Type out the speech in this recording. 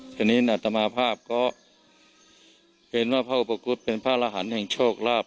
ฉะนั้นอัตมาภาพก็เห็นว่าพระอุปกฤษเป็นพระอลหารแห่งโชคราบ